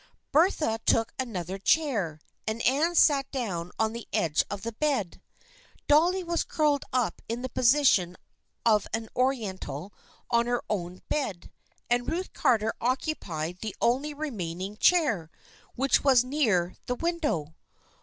Bertha took another chair, and Anne sat down on the edge of the bed. Dolly was curled up in the position of an Oriental on her own bed, and Ruth Garter occupied the only remaining chair, which was near the win dow.